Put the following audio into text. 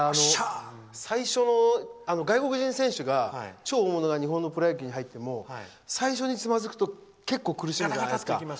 外国人選手が、超大物が日本のプロ野球に入っても最初につまずくと結構、苦しむじゃないですか。